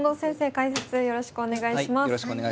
解説よろしくお願いします。